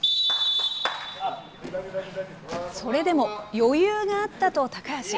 それでも、余裕があったと高橋。